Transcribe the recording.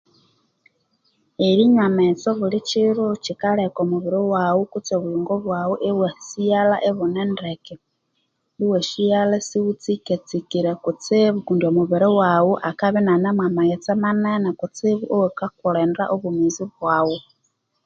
Erinywa amghetse obulikiro kyikaleka omibiri kutse obuyingo bwaghu iwasighalha isighu tsekatsekire kutsibu kundi omubiri waghu akabya inyanemu amaghetse manene kutsi awaka kulinda obwomezi bwavhu